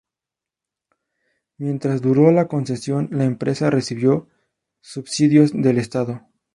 Mientras duró la concesión, la empresa recibió subsidios del Estado.